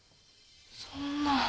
そんな。